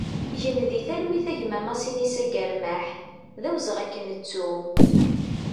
Gen di talwit a gma Masinisa Germaḥ, d awezɣi ad k-nettu!